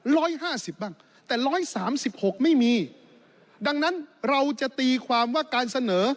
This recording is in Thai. ร้อยห้าสิบบ้างแต่ร้อยสามสิบหกไม่มีดังนั้นเราจะตีความว่าการเสนอ